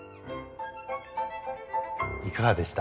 いかがでした？